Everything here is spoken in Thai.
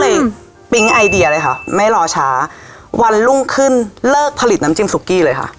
เลยปิ๊งไอเดียเลยค่ะไม่รอช้าวันรุ่งขึ้นเลิกผลิตน้ำจิ้มซุกี้เลยค่ะ